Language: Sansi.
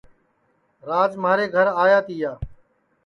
راج مِھارے گھر آیا تیا